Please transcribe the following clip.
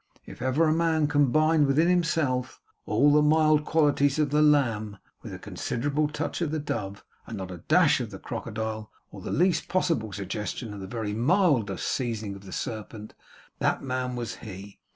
If ever man combined within himself all the mild qualities of the lamb with a considerable touch of the dove, and not a dash of the crocodile, or the least possible suggestion of the very mildest seasoning of the serpent, that man was he.